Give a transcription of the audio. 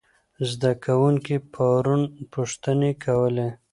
زده کوونکي پرون پوښتنې کولې.